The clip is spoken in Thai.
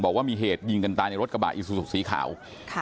บอกว่ามีเหตุยิงกันตายในรถกระบะอิซูซูสีขาวค่ะ